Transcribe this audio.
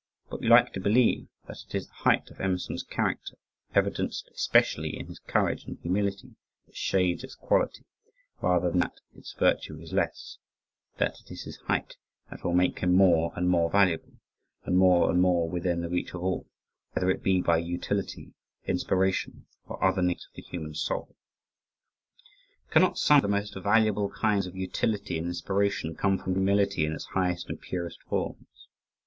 But we like to believe that it is the height of Emerson's character, evidenced especially in his courage and humility that shades its quality, rather than that its virtue is less that it is his height that will make him more and more valuable and more and more within the reach of all whether it be by utility, inspiration, or other needs of the human soul. Cannot some of the most valuable kinds of utility and inspiration come from humility in its highest and purest forms?